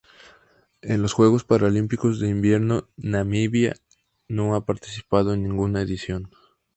En los Juegos Paralímpicos de Invierno Namibia no ha participado en ninguna edición.